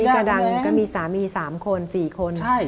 กระดังก็มีสามี๓คน๔คน